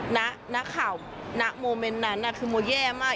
นักข่าวณโมเมนต์นั้นคือโมแย่มาก